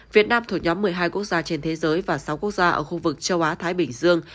việt nam thuộc nhóm một mươi hai quốc gia trên thế giới và sáu quốc gia ở khu vực châu á thái bình dương